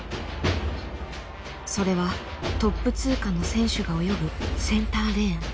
それはトップ通過の選手が泳ぐセンターレーン。